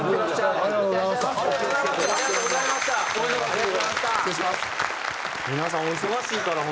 ありがとうございます。